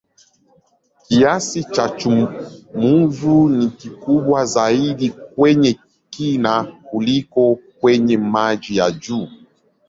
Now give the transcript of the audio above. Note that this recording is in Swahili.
Kiasi cha chumvi ni kikubwa zaidi kwenye kina kuliko kwenye maji ya juu.